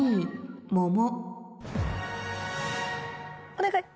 お願い！